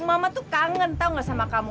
mama tuh kangen tau gak sama kamu